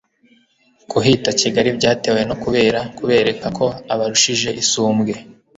kuhita KIGALI byatewe no kubera kubereka ko abarushije isumbwe